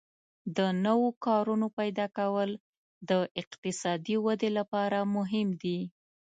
د نوو کارونو پیدا کول د اقتصادي ودې لپاره مهم دي.